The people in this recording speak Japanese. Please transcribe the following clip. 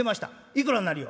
「いくらになるよ？」。